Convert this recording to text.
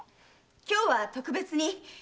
今日は特別に。